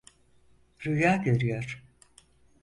Rüya görüyor.